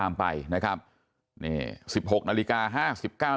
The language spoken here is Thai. เสื้อเขียว